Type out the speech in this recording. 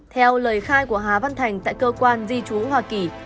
theo lời khai của hà văn thành tại cơ quan di trú hoa kỳ